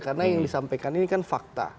karena yang disampaikan ini kan fakta